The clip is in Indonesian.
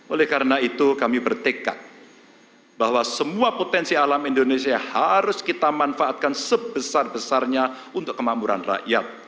oleh karena itu kami bertekad bahwa semua potensi alam indonesia harus kita manfaatkan sebesar besarnya untuk kemakmuran rakyat